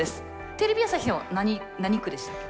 テレビ朝日は何区でしたっけ？